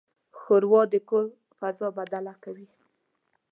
ښوروا د کور فضا بدله کوي.